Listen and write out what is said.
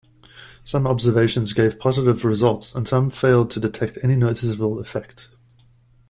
Some observations gave positive results and some failed to detect any noticeable effect.